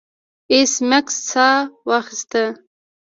ایس میکس ساه واخیسته